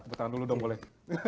tepuk tangan dulu dong boleh